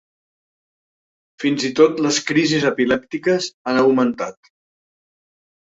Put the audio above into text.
Fins i tot les crisis epilèptiques han augmentat.